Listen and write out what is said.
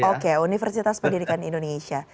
oke universitas pendidikan indonesia